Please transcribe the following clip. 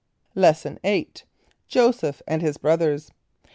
= Lesson VIII. Joseph and his Brothers.